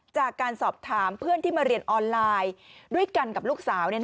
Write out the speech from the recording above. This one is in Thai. จากการสอบถามเพื่อนที่มาเรียนออนไลน์ด้วยกันกับลูกสาว